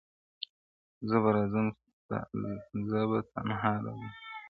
زه به راځم زه به تنها راځمه -